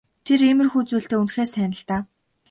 Тэр иймэрхүү зүйлдээ үнэхээр сайн л даа.